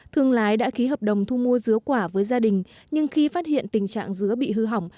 thương lái đã ký hợp đồng thu mua dứa quả với gia đình nhưng khi phát hiện tình trạng dứa bị hư hỏng